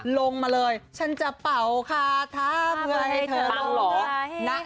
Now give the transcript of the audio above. ลงมาเลยฉันจะเป่าคาทาเมืองให้เธอลง